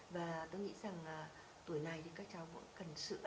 và tôi nghĩ rằng tuổi này thì các cháu cũng cần sữa